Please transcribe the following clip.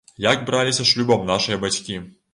Як браліся шлюбам нашыя бацькі.